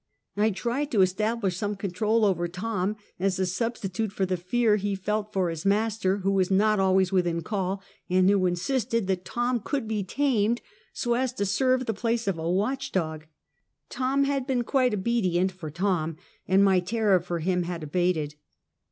I tried to establish some control over Tom, as a substitute for the fear he felt for his master, who was not always within call, and who insisted that Tom could be tamed so as to serve the place of a watch dog. Tom had been quite obe dient for Tom, and my terror for him had abated.